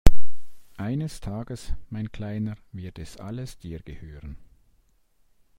Eines Tages, mein Kleiner, wird es alles dir gehören!